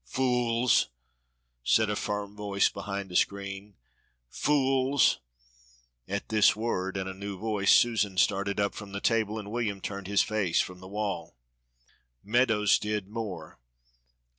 "Fools!" said a firm voice behind the screen. "Fools!" At this word and a new voice Susan started up from the table and William turned his face from the wall. Meadows did more.